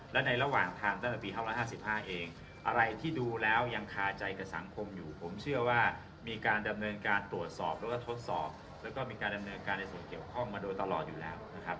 และในระหว่างทางตั้งแต่ปี๕๕เองอะไรที่ดูแล้วยังคาใจกับสังคมอยู่ผมเชื่อว่ามีการดำเนินการตรวจสอบแล้วก็ทดสอบแล้วก็มีการดำเนินการในส่วนเกี่ยวข้องมาโดยตลอดอยู่แล้วนะครับ